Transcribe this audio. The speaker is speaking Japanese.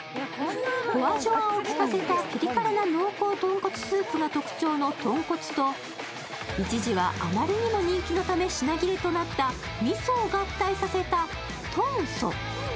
ホアジョアを効かせたピリ辛な濃厚豚骨スープが特徴の豚骨と一時はあまりにも人気のため品切れとなったみそを合体させたとんそ。